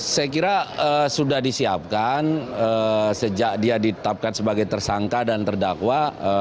saya kira sudah disiapkan sejak dia ditetapkan sebagai tersangka dan terdakwa